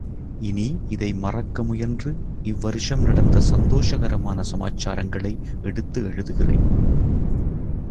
இனி, இதை மறக்க முயன்று இவ்வருஷம் நடந்த சந்தோஷகரமான சமாச்சாரங்களை எடுத்து எழுதுகிறேன்.